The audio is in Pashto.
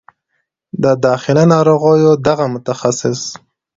د داخله ناروغیو دغه متخصص